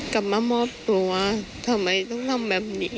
ครับ